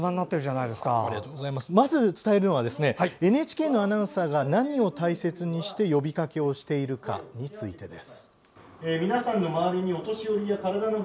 まず伝えるのは、ＮＨＫのアナウンサーが何を大切にして呼びかけをしているかについてです。